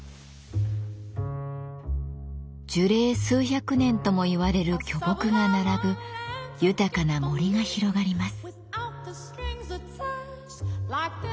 樹齢数百年ともいわれる巨木が並ぶ豊かな森が広がります。